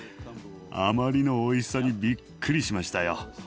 あまりのおいしさにびっくりしましたよ。